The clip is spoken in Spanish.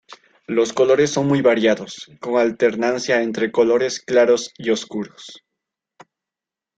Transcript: Los colores son muy variados, con alternancia entre colores claros y oscuros.